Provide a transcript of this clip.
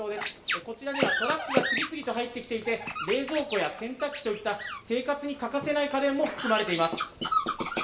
こちらにはトラックが次々と入ってきていて、冷蔵庫や洗濯機といった生活に欠かせない家電も含まれています。